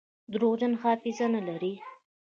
درواغجن حافظه نلري.